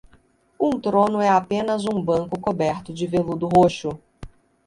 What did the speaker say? Um trono é apenas um banco coberto de veludo roxo.